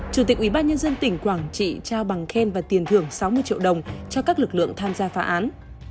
chủ tịch ubnd tỉnh quảng trị trao bằng khen và tiền thưởng sáu mươi triệu đồng cho các lực lượng tham gia phá án